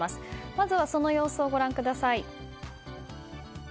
まずはその様子をご覧ください。